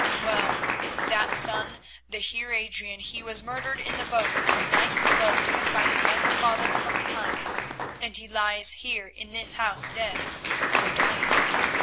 Well, that son, the Heer Adrian, he was murdered in the boat with a knife blow given by his own father from behind, and he lies here in this house dead or dying.